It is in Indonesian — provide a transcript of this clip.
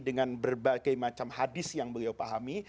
dengan berbagai macam hadis yang beliau pahami